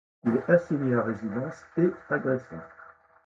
Il est assigné à résidence et agressé.